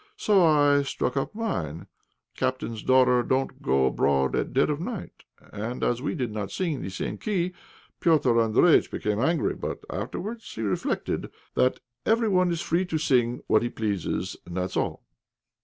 So I I struck up mine, 'Captain's daughter, don't go abroad at dead of night!' As we did not sing in the same key, Petr' Andréjïtch became angry. But afterwards he reflected that 'every one is free to sing what he pleases,' and that's all."